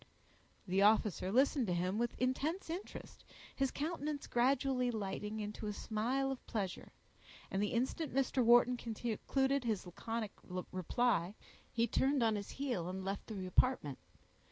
The officer listened to him with intense interest, his countenance gradually lighting into a smile of pleasure, and the instant Mr. Wharton concluded his laconic reply he turned on his heel and left the apartment.